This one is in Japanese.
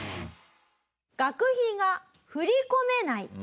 学費が振り込めない。